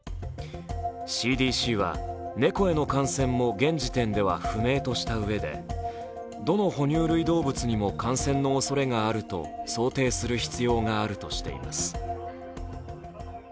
ＣＤＣは猫への感染も現時点では不明としたうえで、どの哺乳類動物にも感染のおそれがあると想定する必要があるとしています。